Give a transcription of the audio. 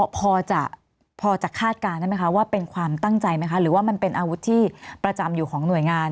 พอจะคาดการณ์ได้ไหมคะว่าเป็นความตั้งใจไหมคะหรือว่ามันเป็นอาวุธที่ประจำอยู่ของหน่วยงาน